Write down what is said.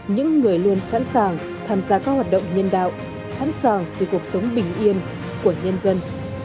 những người luôn sẵn sàng tham gia các hoạt động nhân đạo sẵn sàng vì cuộc sống bình yên của nhân dân